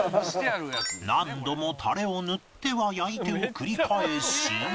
何度もタレを塗っては焼いてを繰り返し